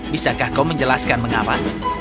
bisakah kau menjelaskan mengapa